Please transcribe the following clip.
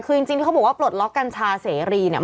คือจริงที่เขาบอกว่าปลดล็อกกัญชาเสรีเนี่ย